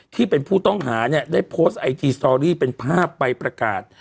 ที่เป็นผู้ต้องหาเนี่ยได้โพสต์ไอจีสตอรี่เป็นภาพใบประกาศ